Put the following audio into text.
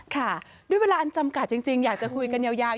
ค่ะด้วยเวลาอันจำกัดจริงอยากจะคุยกันยาว